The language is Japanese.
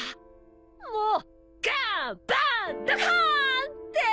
もうガーンバーンドカーンって！